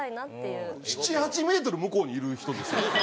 ７８メートル向こうにいる人ですよね。